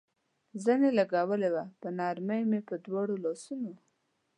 زنې لګولې وې، په نرمۍ مې په دواړو لاسونو.